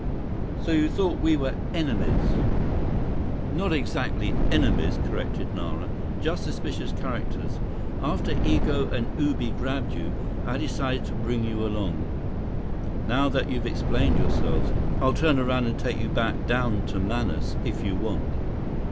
"So you thought we were enemies—" "Not exactly enemies," corrected Nara. "Just suspicious characters. After Igo and Ubi grabbed you, I decided to bring you along. Now that you've explained yourselves, I'll turn around and take you back down to Manaus if you want."